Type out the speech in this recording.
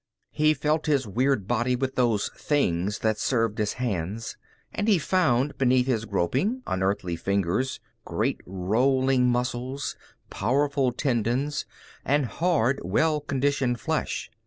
He felt his weird body with those things that served as hands, and he found, beneath his groping, unearthly fingers, great rolling muscles, powerful tendons, and hard, well conditioned flesh.